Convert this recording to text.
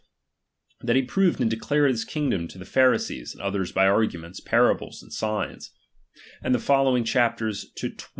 ^H that he proved and declared his kingdom to the ^H Pharisees and others by arguments, parables, and ^H signs ; and the following chapters to xxi.